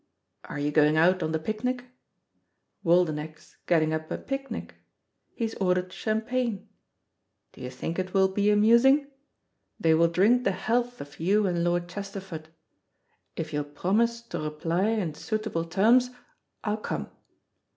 Are you going out on the picnic? Waldenech's getting up a picnic. He's ordered champagne. Do you think it will be amusing? They will drink the health of you and Lord Chesterford. If you'll promise to reply in suitable terms I'll come.